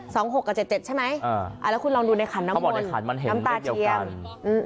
สองหกกับเจ็ดเจ็ดใช่ไหมอืออ่าแล้วคุณลองดูในขันน้ำมนเขาบอกในขันมันเห็นเลขเดียวกัน